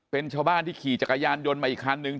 เป็นชาวบ้านที่ขี่จักรยานยนต์มาอีกคันนึง